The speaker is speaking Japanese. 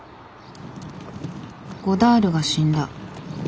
ゴダールが死んだ。